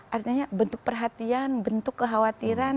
artinya bentuk perhatian bentuk kekhawatiran